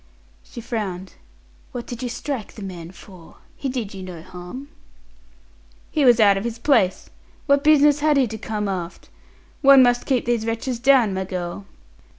She frowned. "What did you strike the man for? He did you no harm." "He was out of his place. What business had he to come aft? One must keep these wretches down, my girl."